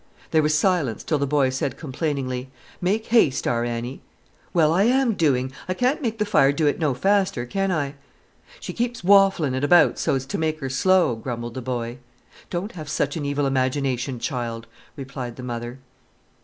There was silence till the boy said complainingly: "Make haste, our Annie." "Well, I am doing! I can't make the fire do it no faster, can I?" "She keeps wafflin' it about so's to make 'er slow," grumbled the boy. "Don't have such an evil imagination, child," replied the mother.